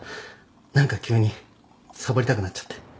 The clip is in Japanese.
何か急にサボりたくなっちゃって